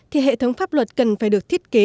thì hệ thống pháp luật cần phải được thiết kế